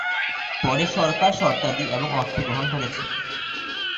পরে সরকার শর্তাদি এবং অর্থ গ্রহণ করেছে।